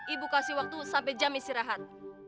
ibu kasih waktu sampai jam istirahat